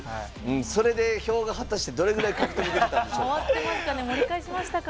それで票が果たしてどれだけ獲得できたんでしょうか。